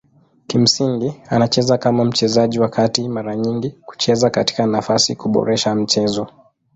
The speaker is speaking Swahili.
Kimsingi anacheza kama mchezaji wa kati mara nyingi kucheza katika nafasi kuboresha mchezo.